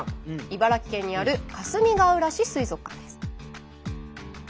茨城県にあるかすみがうら市水族館です。